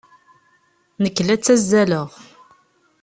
Nekk la ttazzaleɣ.